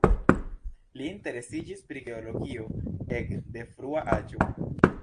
Li interesiĝis pri geologio ek de frua aĝo.